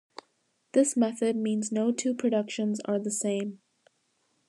This method means no two productions are the same.